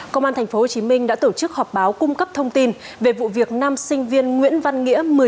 công an tp hcm đã tổ chức họp báo cung cấp thông tin về vụ việc năm sinh viên nguyễn văn nghĩa